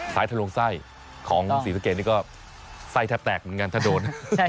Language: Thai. ซ้ายถ้าลงใส่ของสีสะเกดนี่ก็ใส่แทบแตกเหมือนกันถ้าโดน